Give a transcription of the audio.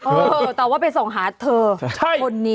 เออแต่ว่าไปส่งหาเธอคนนี้